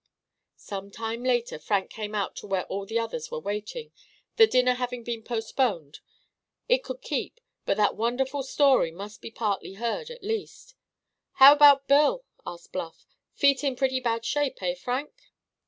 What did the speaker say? Some time later Frank came out to where all the others were waiting, the dinner having been postponed. It could keep, but that wonderful story must be partly heard, at least. "How about Bill?" asked Bluff. "Feet in pretty bad shape—eh, Frank?"